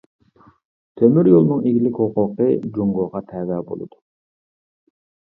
تۆمۈر يولنىڭ ئىگىلىك ھوقۇقى جۇڭگوغا تەۋە بولىدۇ.